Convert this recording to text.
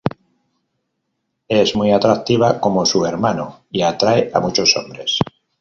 Es muy atractiva, como su hermano, y atrae a muchos hombres.